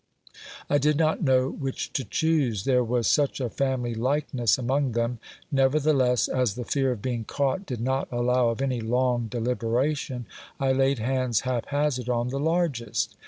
I did not know which to choose, there was such a family likeness among them ; nevertheless, as the fear of being caught did not allow of any long deliberation, I laid hands, hap hazard, on the largest.